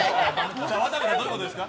渡部さん、どういうことですか。